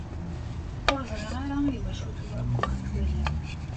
Ur ẓriɣ ara i wacu-t akk uhetwal-a.